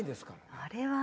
あれは。